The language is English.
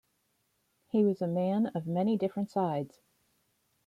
He was a man of many different sides.